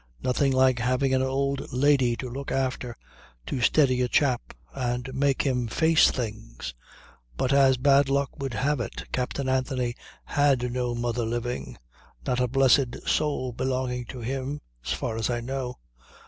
Nothing like having an old lady to look after to steady a chap and make him face things. But as bad luck would have it, Captain Anthony has no mother living, not a blessed soul belonging to him as far as I know.